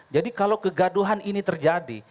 jadi kalau kegaduhan ini terjadi